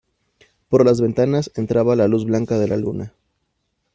por las ventanas entraba la luz blanca de la luna.